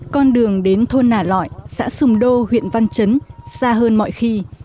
con đường đến thôn nà lọi xã sùng đô huyện văn chấn xa hơn mọi khi